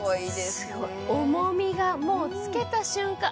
すごい重みがもう着けた瞬間